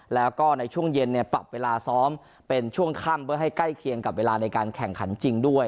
แล้วก็ในช่วงเย็นปรับเวลาซ้อมเป็นช่วงค่ำเพื่อให้ใกล้เคียงกับเวลาในการแข่งขันจริงด้วย